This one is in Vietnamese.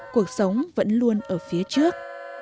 cuộc sống vẫn luôn ở phía trước